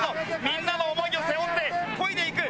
みんなの思いを背負って漕いでいく！